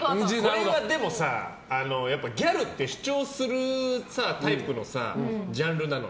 これはでもさギャルって主張するタイプのジャンルなの。